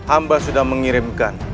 amba sudah mengirimkan